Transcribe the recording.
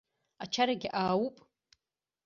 Ачарагьы аауп.